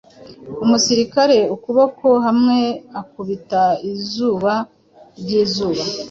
Umusirikare ukuboko hamwe akubita izuba ryizuba.